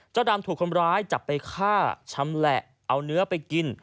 ดำถูกคนร้ายจับไปฆ่าชำแหละเอาเนื้อไปกิน